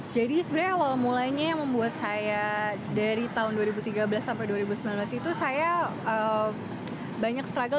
jadi sebenarnya awal mulanya membuat saya dari tahun dua ribu tiga belas sampai dua ribu sembilan belas itu saya banyak struggle